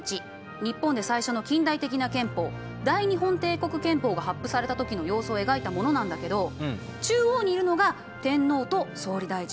日本で最初の近代的な憲法大日本帝国憲法が発布された時の様子を描いたものなんだけど中央にいるのが天皇と総理大臣。